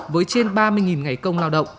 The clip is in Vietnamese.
với trên ba mươi ngày công lao động